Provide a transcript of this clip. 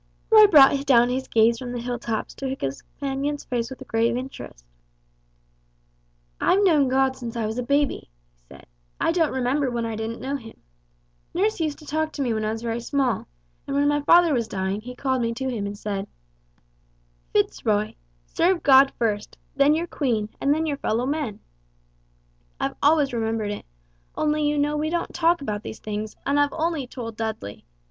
Roy brought down his gaze from the hilltops to his companion's face with grave interest. "I've known God since I was a baby," he said. "I don't remember when I didn't know Him. Nurse used to talk to me when I was very small, and when my father was dying he called me to him, and said, 'Fitz Roy! Serve God first, then your Queen, and then your fellow men!' I've always remembered it, only you know we don't talk about these things, and I've only told Dudley.